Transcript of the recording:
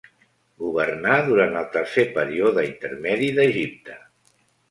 Governà durant el Tercer període intermedi d'Egipte.